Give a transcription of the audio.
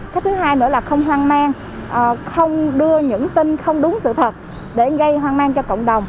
cái thứ hai nữa là không hoang mang không đưa những tin không đúng sự thật để gây hoang mang cho cộng đồng